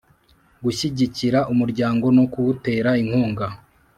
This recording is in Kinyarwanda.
Gushyigikira umuryango no kuwutera inkunga